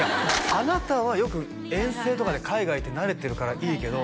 「あなたはよく遠征とかで海外って慣れてるからいいけど」